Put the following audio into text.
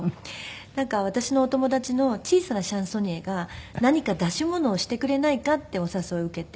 なんか私のお友達の小さなシャンソニエが「何か出し物をしてくれないか」ってお誘いを受けて。